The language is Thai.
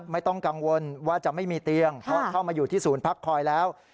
ไม่ต้องกังวลว่าจะไม่มีเตียงเพราะเข้ามาอยู่ที่ศูนย์พักคอยแล้ว